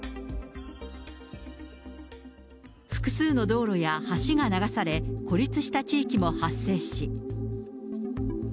複数の道路や橋が流され、孤立した地域も発生し。